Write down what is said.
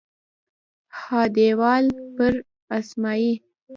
ها دیوال پر اسمایي